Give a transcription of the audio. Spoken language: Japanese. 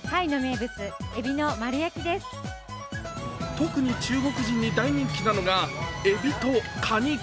特に中国人に大人気なのがえびとかに。